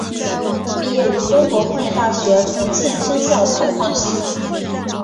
毕业于中国矿业大学重庆分校采矿系。